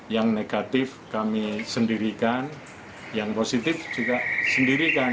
yang negatif kami sendirikan yang positif juga sendirikan